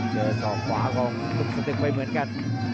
เจอสองขวาของลุงศัตรึงไปเหมือนกัน